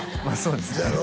まあそうですね